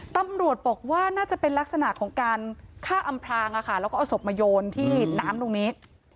ตำรวจบอกว่าน่าจะเป็นลักษณะของการฆ่าอำพรางแล้วก็เอาศพมาโยนที่น้ำตรงนี้